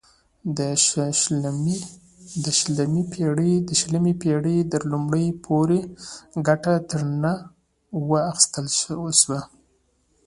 د شلمې پېړۍ تر لومړیو پورې ګټه ترې نه وه اخیستل شوې.